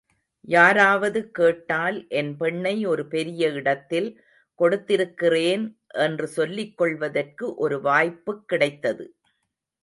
யாராவது கேட்டால் என் பெண்ணை ஒரு பெரிய இடத்தில் கொடுத்திருக்கிறேன் என்று சொல்லிக்கொள்வதற்கு ஒரு வாய்ப்புக் கிடைத்தது.